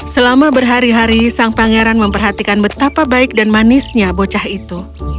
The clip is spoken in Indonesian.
selama berhari hari sang pangeran memperhatikan betapa baik dan manisnya bocah itu